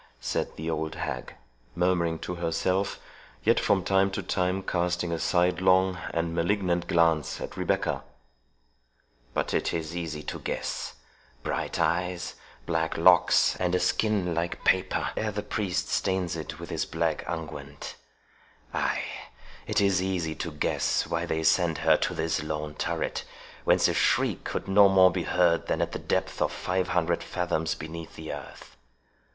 said the old hag, murmuring to herself, yet from time to time casting a sidelong and malignant glance at Rebecca; "but it is easy to guess—Bright eyes, black locks, and a skin like paper, ere the priest stains it with his black unguent—Ay, it is easy to guess why they send her to this lone turret, whence a shriek could no more be heard than at the depth of five hundred fathoms beneath the earth.